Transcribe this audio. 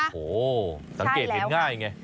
โอ้โหสังเกตเห็นง่ายไง